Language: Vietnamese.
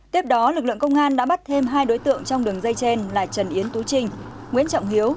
tiếp đó lực lượng công an đã bắt thêm hai đối tượng trong đường dây trên là trần yến tú trinh nguyễn trọng hiếu